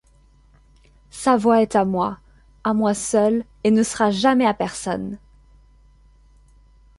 Sa voix est à moi... à moi seul... et ne sera jamais à personne!